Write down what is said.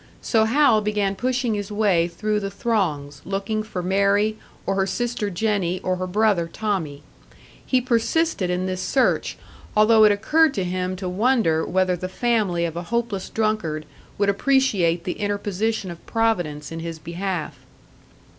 So Hal began pushing his way through the throngs, looking for Mary, or her sister Jennie, or her brother Tommie. He persisted in this search, although it occurred to him to wonder whether the family of a hopeless drunkard would appreciate the interposition of Providence in his behalf.